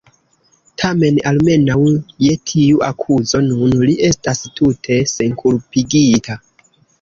Tamen, almenaŭ je tiu akuzo, nun li estas tute senkulpigita.